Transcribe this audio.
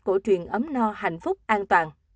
cổ truyền ấm no hạnh phúc an toàn